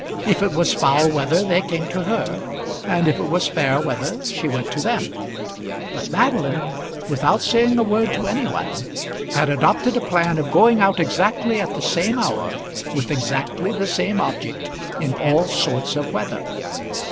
If it was foul weather they came to her, and if it was fair weather she went to them. But Madeline, without saying a word to any one, had adopted a plan of going out exactly at the same hour with exactly the same object, in all sorts of weather.